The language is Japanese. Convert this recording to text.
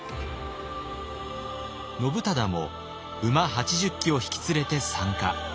信忠も馬８０騎を引き連れて参加。